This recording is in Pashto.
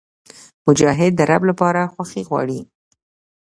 مجاهد د رب لپاره خوښي غواړي.